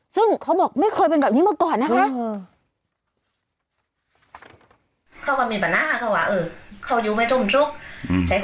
ซึ่งเขาบอกไม่เคยเป็นแบบนี้มาก่อนนะคะ